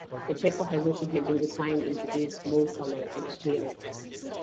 The paper has recently been redesigned, introducing more color and a clearer typeface.